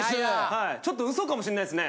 ちょっとウソかもしんないですね。